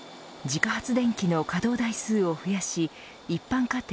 自家発電機の稼働台数を増やし一般家庭